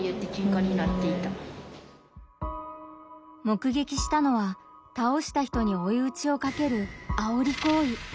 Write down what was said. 目撃したのは倒した人においうちをかける「あおり行為」。